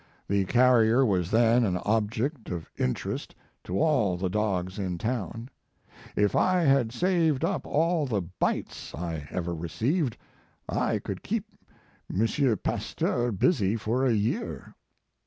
The carrier was then an object of interest to all the dogs in town. If I had saved up all the bites I ever received, I could keep M. Pasteur busy for a year.